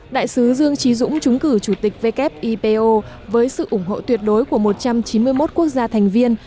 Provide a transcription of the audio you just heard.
đại sứ dương trí dũng trúng cử chủ tịch wipo với sự ủng hộ tuyệt đối của một trăm chín mươi một quốc gia thành viên